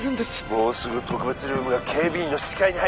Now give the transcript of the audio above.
もうすぐ特別ルームが警備員の視界に入る